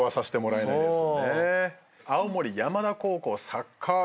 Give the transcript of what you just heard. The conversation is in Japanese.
青森山田高校サッカー部。